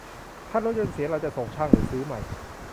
ถ้ารถยนต์เสีย เราจะส่งช่าง หรือซื้อใหม่